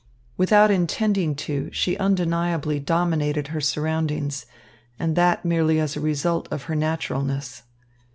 Without intending to, she undeniably dominated her surroundings, and that merely as a result of her naturalness.